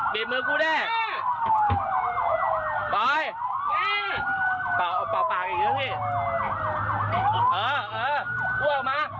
ปิดมือกูได้ปล่อยปล่อยปากอีกนิดนึงนี่เออเอออ้วบมาอ้วบใส่หน้ากูเลยมาเออ